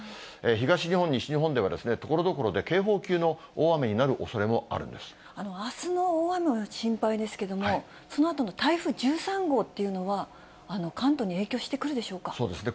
東日本、西日本では、ところどころで警報級の大雨になるおそれもあすの大雨も心配ですけども、そのあとの台風１３号っていうのは、関東に影響してくるでしょうそうですね。